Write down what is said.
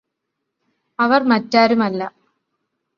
അവര് മറ്റാരുമല്ല